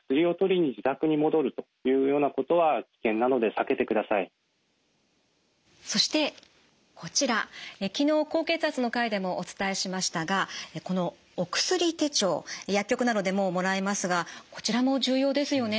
ただしそしてこちら昨日高血圧の回でもお伝えしましたがこのお薬手帳薬局などでももらえますがこちらも重要ですよね。